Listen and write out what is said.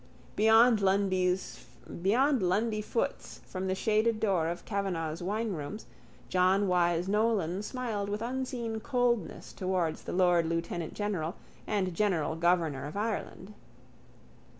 Beyond Lundy Foot's from the shaded door of Kavanagh's winerooms John Wyse Nolan smiled with unseen coldness towards the lord lieutenantgeneral and general governor of Ireland.